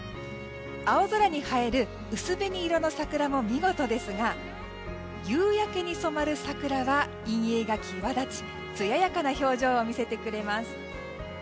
青空に映える薄紅色の桜も見事ですが夕焼けに染まる桜は陰影が際立ちつややかな表情を見せてくれます。